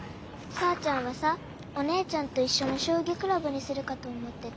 さーちゃんはさお姉ちゃんといっしょのしょうぎクラブにするかと思ってた。